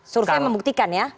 survei membuktikan ya